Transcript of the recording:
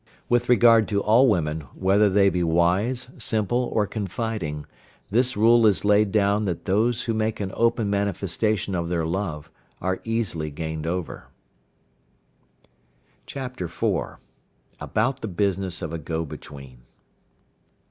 With regard to all women, whether they be wise, simple, or confiding, this rule is laid down that those who make an open manifestation of their love are easily gained over. CHAPTER IV. ABOUT THE BUSINESS OF A GO BETWEEN.